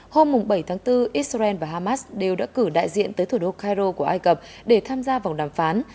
hôm bảy tháng bốn israel và hamas đều đã cử đại diện tới thủ đô cairo của ai cập để tham gia vòng đàm phán